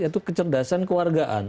yaitu kecerdasan keluargaan